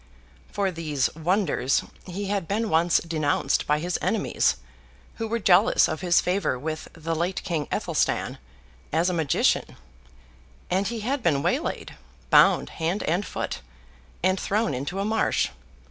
For these wonders he had been once denounced by his enemies, who were jealous of his favour with the late King Athelstan, as a magician; and he had been waylaid, bound hand and foot, and thrown into a marsh.